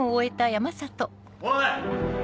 ・おい！